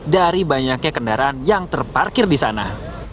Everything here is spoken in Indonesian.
dari banyaknya kendaraan yang terparkir disana